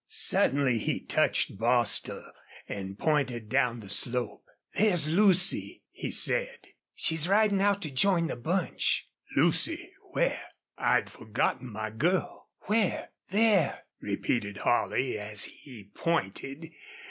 Suddenly he touched Bostil and pointed down the slope. "There's Lucy," he said. "She's ridin' out to join the bunch." "Lucy! Where? I'd forgotten my girl! ... Where?" "There," repeated Holly, and he pointed.